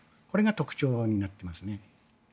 これが特徴になっていますね。